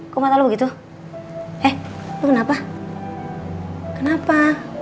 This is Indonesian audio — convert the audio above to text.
kok mata lo begitu eh lo kenapa kenapa